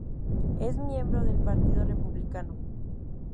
Es miembro del Partido Republicano.